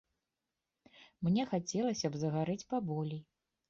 Мне хацелася б загарэць паболей.